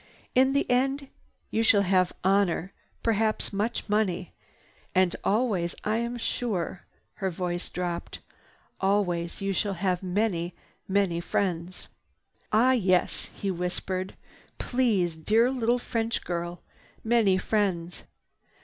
In the end you shall have honor, perhaps much money, and always I am sure—" her voice dropped, "Always you shall have many, many friends." "Ah yes," he whispered. "Please, dear little French girl, many friends!"